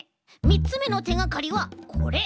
みっつめのてがかりはこれ。